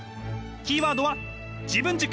キーワードは自分軸！